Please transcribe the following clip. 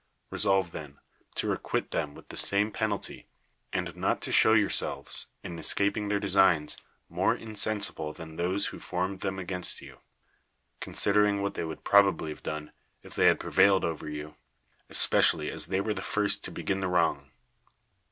Kesolve, then, to 1 requite them with the same penalty ; and not to \ show yourselves, in escaping their designs, more j insensible than those who formed them against i you ; considering what they would probably have doik'. if they had prevailed over you; especially, ;i.s they were the first to begin the wrong.